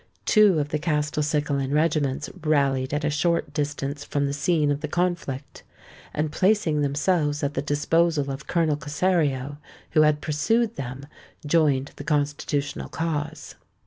Two of the Castelcicalan regiments rallied at a short distance from the scene of the conflict, and placing themselves at the disposal of Colonel Cossario, who had pursued them, joined the Constitutional cause.